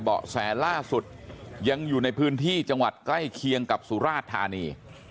เบาะแสล่าสุดยังอยู่ในพื้นที่จังหวัดใกล้เคียงกับสุราชธานี